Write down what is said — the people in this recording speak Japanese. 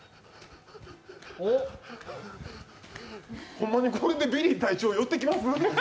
ホンマにこれでビリー隊長寄ってきます？